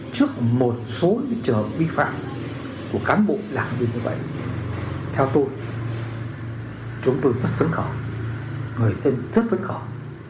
trước một số trường vi phạm của cán bộ đảng viên như vậy theo tôi chúng tôi rất phấn khẩu người thân rất phấn khẩu